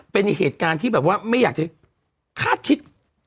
เป็นเหตุการณ์ที่แบบว่าไม่อยากจะคาดคิด